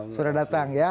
sudah datang ya